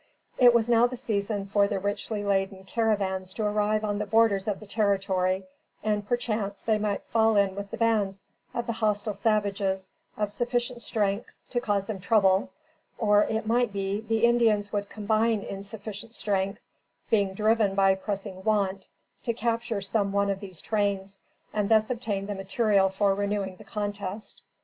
It was now the season for the richly laden caravans to arrive on the borders of the territory, and perchance they might fall in with bands of the hostile savages of sufficient strength to cause them trouble; or, it might be, the Indians would combine in sufficient strength, being driven by pressing want, to capture some one of these trains, and thus obtain the material for renewing the contest.